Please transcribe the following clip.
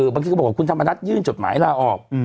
บางทีก็บอกว่าคุณท่านมณัฐยื่นจดหมายลาออก